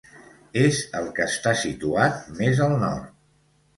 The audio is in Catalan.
És el que està situat més al nord.